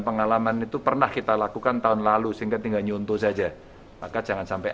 pengalaman itu pernah kita lakukan tahun lalu sehingga tinggal nyuntuh saja maka jangan sampai